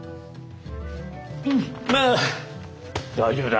うんまあ大丈夫だ。